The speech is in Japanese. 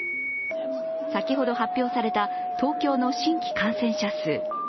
先ほど発表された東京の新規感染者数。